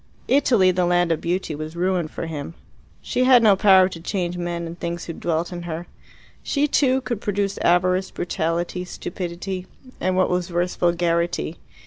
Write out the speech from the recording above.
Italy, the land of beauty, was ruined for him. She had no power to change men and things who dwelt in her. She, too, could produce avarice, brutality, stupidity and, what was worse, vulgarity.